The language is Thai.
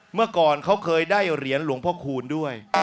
เมื่อก่อนเขาเคยได้เหรียญหลวงพ่อคูณด้วย